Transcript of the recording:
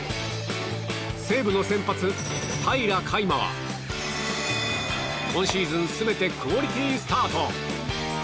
西武の先発、平良海馬は今シーズン全てクオリティ・スタート。